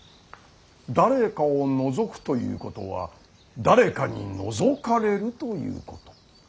誰かをのぞくということは誰かにのぞかれるということ。